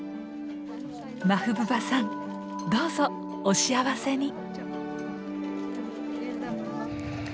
マフブバさんどうぞお幸せに！